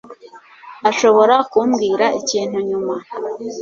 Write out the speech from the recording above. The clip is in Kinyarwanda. ashobora kumbwira ikintu nyuma